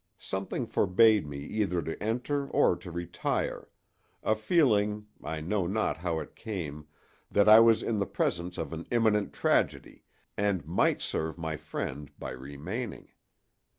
Something forbade me either to enter or to retire, a feeling—I know not how it came—that I was in the presence of an imminent tragedy and might serve my friend by remaining.